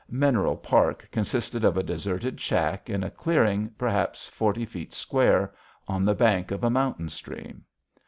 Mineral Park consists of a deserted shack in a clearing perhaps forty feet square, on the bank of a mountain stream.